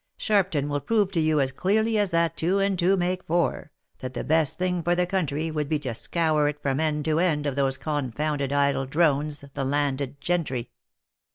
Sharpton will prove to you as clearly as that two and two make four, that the best thing for the country would be to scour it from end to end of those confounded idle drones, the landed gentry.